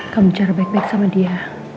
kamu bicara baik baik sama dia